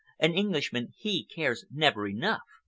An Englishman, he cares never enough.